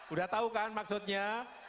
udah tahu kan maksudnya